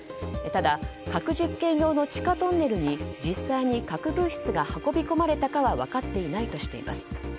ただ、核実験用の地下トンネルに実際に核物質が運び込まれたかは分かっていないとしています。